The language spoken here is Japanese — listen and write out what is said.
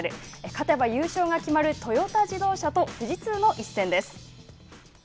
勝てば優勝が決まるトヨタ自動車と富士通の一戦です。